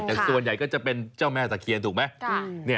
แต่ส่วนใหญ่ก็จะเป็นเจ้าแม่ตะเคียนถูกไหม